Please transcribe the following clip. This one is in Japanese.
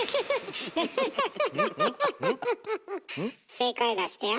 正解出してや。